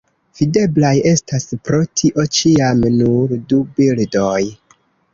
Videblaj estas pro tio ĉiam nur du bildoj.